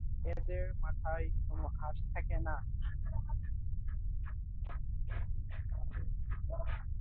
এদের মাথায় কোনো আঁশ থাকে না।